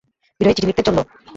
বিরহী চিঠি লিখতে চলল।